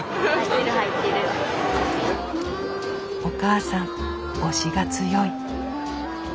お母さん押しが強い。